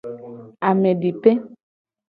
Amedipe.